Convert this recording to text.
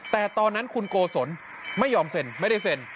แต่ตอนนั้นคุณโกศลไม่ยอมเซ็นไม่ได้เซ็น